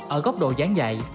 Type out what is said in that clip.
ở góc độ gián dạy